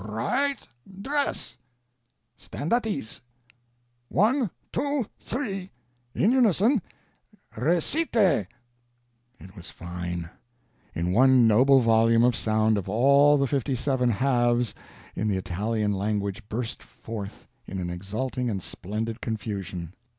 "Right dress!" "Stand at ease!" "One two three. In unison recite!" It was fine. In one noble volume of sound of all the fifty seven Haves in the Italian language burst forth in an exalting and splendid confusion.